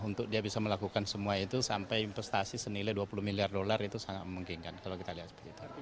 untuk dia bisa melakukan semua itu sampai investasi senilai dua puluh miliar dolar itu sangat memungkinkan kalau kita lihat sekitar